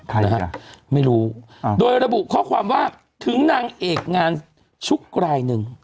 ใครนะฮะไม่รู้โดยระบุข้อความว่าถึงนางเอกงานชุกรายหนึ่ง